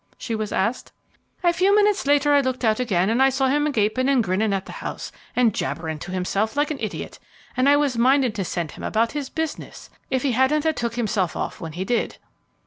she was asked. "A few minutes later I looked out again and I see him gaping and grinning at the house and jabbering to himself like an idiot, and I was minded to send him about his business if he hadn't a took himself off when he did."